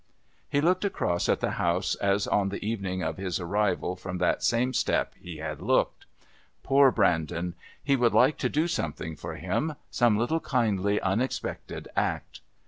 He looked across at the house as on the evening of his arrival from that same step he had looked. Poor Brandon! He would like to do something for him, some little kindly unexpected act!